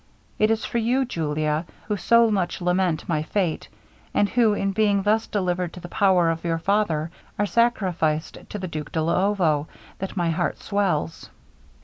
It is for you, Julia, who so much lament my fate; and who in being thus delivered to the power of your father, are sacrificed to the Duke de Luovo that my heart swells.'